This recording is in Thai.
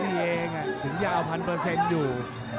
นี่เองอ่ะถึงจะเอา๑๐๐๐อยู่